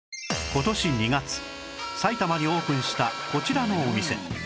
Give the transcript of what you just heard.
今年２月埼玉にオープンしたこちらのお店